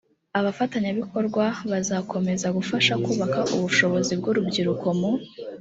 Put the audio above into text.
abafatanyabikorwa bazakomeza gufasha kubaka ubushobozi bw urubyiruko mu